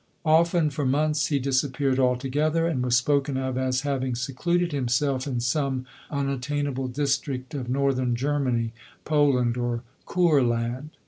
Often for months he disappeared altogether, and was spoken of as having secluded himself in some un attainable district of northern Germany, Poland, I.ODORE. 91 or Courland.